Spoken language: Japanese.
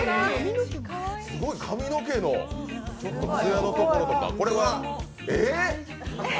すごい、髪の毛のつやのところとか、えーっ！